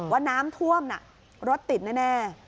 ว่าน้ำท่วมน่ะรถติดแน่